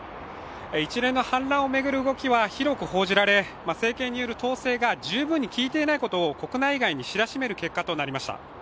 一連の反乱を巡る動きは広く報じられ、政権による統制が十分に効いていないことを国内外に知らしめる結果となりました。